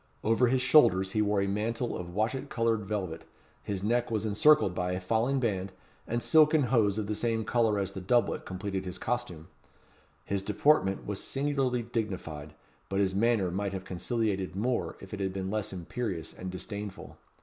Over his shoulders he wore a mantle of watchet coloured velvet; his neck was encircled by a falling band; and silken hose of the same colour as the doublet completed his costume. His deportment was singularly dignified; but his manner might have conciliated more if it had been less imperious and disdainful.